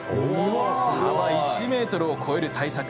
幅１ｍを超える大作。